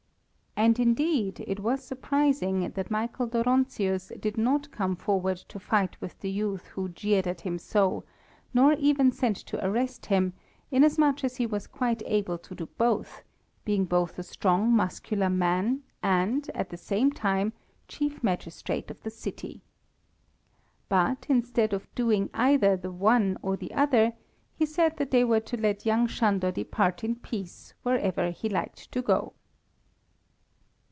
And, indeed, it was surprising that Michael Dóronczius did not come forward to fight with the youth who jeered at him so, nor even sent to arrest him, inasmuch as he was quite able to do both, being both a strong muscular man and, at the same time, chief magistrate of the city. But, instead of doing either the one or the other, he said that they were to let young Sándor depart in peace wherever he liked to go.